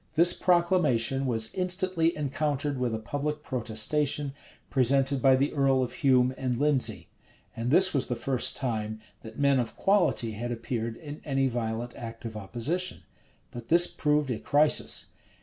This proclamation was instantly encountered with a public protestation, presented by the earl of Hume and Lindesey: and this was the first time that men of quality had appeared in any violent act of opposition.[*] But this proved a crisis.